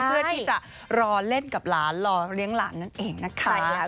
เพื่อที่จะรอเล่นกับหลานรอเลี้ยงหลานนั่นเองนะคะ